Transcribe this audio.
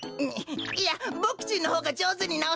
いやボクちんのほうがじょうずになおせます！